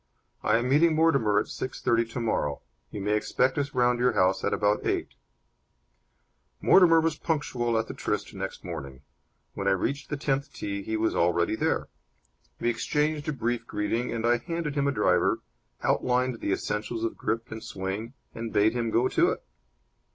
"I am meeting Mortimer at six thirty tomorrow. You may expect us round at your house at about eight." Mortimer was punctual at the tryst next morning. When I reached the tenth tee he was already there. We exchanged a brief greeting and I handed him a driver, outlined the essentials of grip and swing, and bade him go to it.